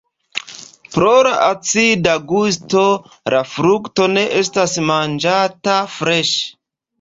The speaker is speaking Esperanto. Pro la acida gusto la frukto ne estas manĝata freŝe.